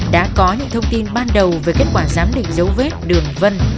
đã có những thông tin ban đầu về kết quả giám định dấu vết đường vân